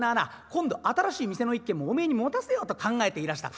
今度新しい店の一軒もおめえに持たせようと考えていらした。